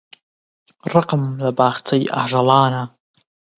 ڕقم لە باخچەی ئاژەڵانە.